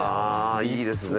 いいですね